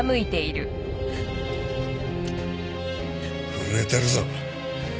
震えてるぞ。